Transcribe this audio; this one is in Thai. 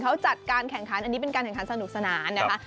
เขาจัดการแข่งขันอันนี้เป็นการแข่งขันสนุกสนานนะคะ